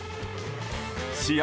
試合